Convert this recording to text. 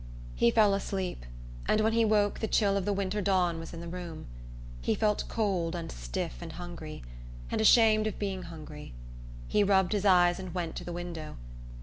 He fell asleep, and when he woke the chill of the winter dawn was in the room. He felt cold and stiff and hungry, and ashamed of being hungry. He rubbed his eyes and went to the window.